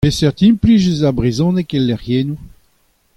Peseurt implij eus ar brezhoneg el lecʼhiennoù ?